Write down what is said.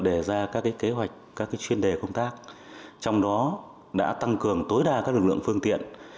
đề ra các kế hoạch các chuyên đề công tác trong đó đã tăng cường tối đa các lực lượng phương tiện